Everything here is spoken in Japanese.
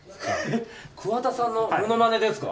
桑田さんのモノマネですか？